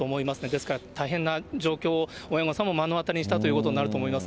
ですから大変な状況を親御さんも目の当たりにしたということにな